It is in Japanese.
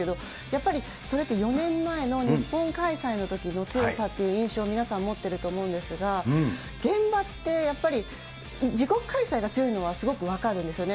やっぱり、それって４年前の日本開催のときの強さという印象を皆さん、持っていると思うんですが、現場ってやっぱり、自国開催が強いのは、すごく分かるんですよね。